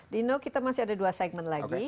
di no kita masih ada dua segmen lagi